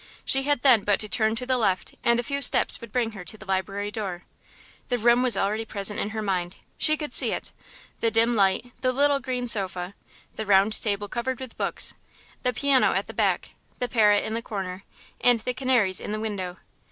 She had then but to turn to the left and a few steps would bring her to the library door. The room was already present in her mind. She could see it. The dim light, the little green sofa, the round table covered with books, the piano at the back, the parrot in the corner, and the canaries in the window.